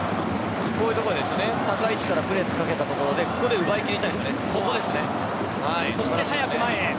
高い位置からプレスをかけたところで奪い切りたいですね。